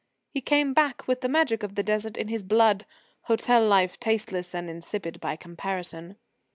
He came back with the magic of the Desert in his blood, hotel life tasteless and insipid by comparison.